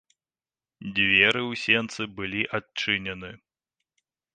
Дзверы ў сенцы былі адчынены.